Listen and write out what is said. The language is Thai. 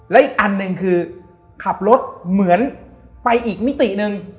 และอีกอันหนึ่งคือขับรถเหมือนไปอีกมิติหนึ่ง